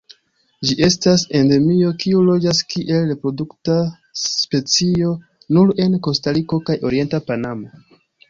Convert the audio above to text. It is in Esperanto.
Ĝi estas endemio kiu loĝas kiel reprodukta specio nur en Kostariko kaj orienta Panamo.